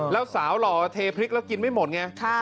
แล้วสาวหล่อเทพริกแล้วกินไม่หมดไง